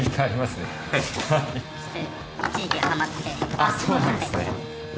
あっそうなんですね。